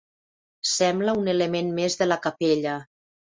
Sembla un element més de la capella.